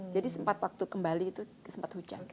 jadi sempat waktu kembali itu sempat hujan